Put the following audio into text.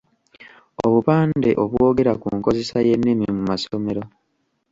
Obupande obwogera ku nkozesa y’ennimi mu masomero.